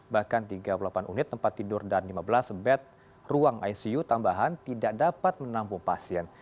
bahkan tiga puluh delapan unit tempat tidur dan lima belas bed ruang icu tambahan tidak dapat menampung pasien